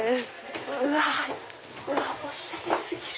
うわおしゃれ過ぎる！